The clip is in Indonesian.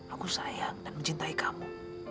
aku sayang dan mencintai kamu